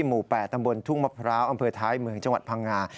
หมู่๘ตำบลทุ่งมะพร้าวอำเภอท้ายเมืองจังหวัดพังงา